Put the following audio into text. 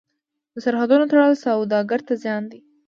د سرحدونو تړل سوداګر ته زیان دی.